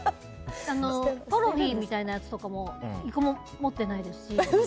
トロフィーみたいなやつも１個も持っていないですし。